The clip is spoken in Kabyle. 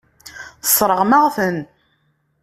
Tesseṛɣem-aɣ-ten.